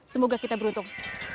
semoga kita beruntung